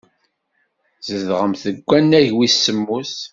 Tzedɣemt deg wannag wis semmus.